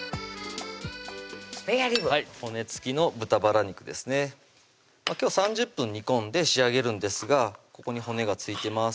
スペアリブはい骨付きの豚バラ肉ですね今日は３０分煮込んで仕上げるんですがここに骨が付いてます